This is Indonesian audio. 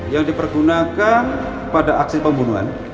yang dipergunakan pada aksi pembunuhan